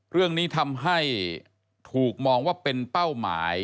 เรื่องนี้ทำให้ถูกมองว่าเป็นเป้าหมาย